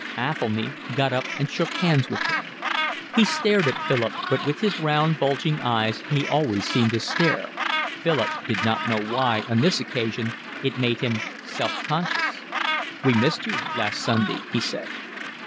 Athelny got up and shook hands with him. He stared at Philip, but with his round, bulging eyes he always seemed to stare, Philip did not know why on this occasion it made him self conscious. "We missed you last Sunday," he said.